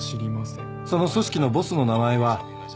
その組織のボスの名前は喜多野。